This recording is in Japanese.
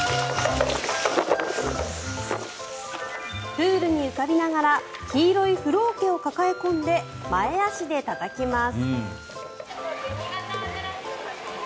プールに浮かびながら黄色い風呂桶を抱え込んで前足でたたきます。